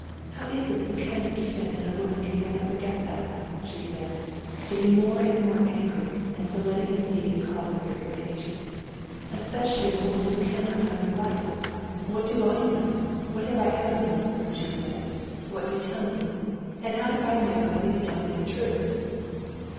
How is it you can't understand that a woman can never forget that," she said, getting more and more angry, and so letting him see the cause of her irritation, "especially a woman who cannot know your life? What do I know? What have I ever known?" she said, "what you tell me. And how do I know whether you tell me the truth?..."